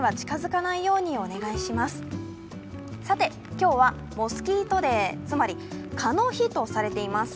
今日はモスキートデー、つまり蚊の日とされています。